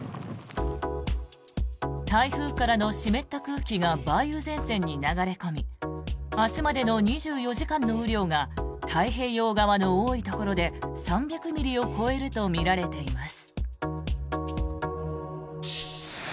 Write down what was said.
台風からの湿った空気が梅雨前線に流れ込み明日までの２４時間の雨量が太平洋側の多いところで３００ミリを超えるとみられています。